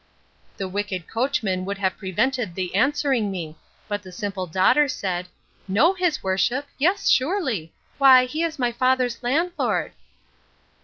The wicked coachman would have prevented the answering me; but the simple daughter said, Know his worship! yes, surely! why he is my father's landlord.